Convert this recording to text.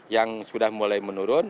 yang sudah mulai menurun